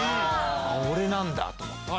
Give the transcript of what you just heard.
あ俺なんだと思って。